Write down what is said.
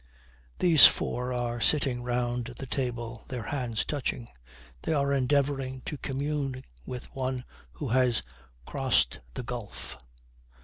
These four are sitting round the table, their hands touching: they are endeavouring to commune with one who has 'crossed the gulf.'